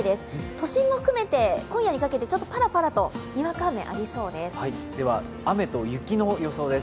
都心も含めてパラパラとにわか雨がありそうです。